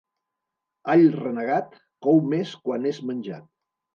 All renegat, cou més quan és menjat.